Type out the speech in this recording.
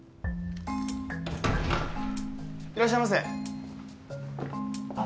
いらっしゃいませ。